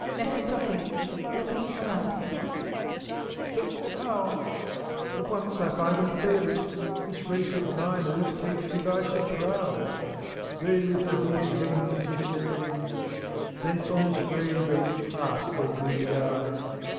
MEPHISTOPHELES (looking around him). But how? — at once I find them failing! This race of minors takes me by surprise ! They with their booty heavenwards are sailing ; Thence on this grave they cast their greedy eyes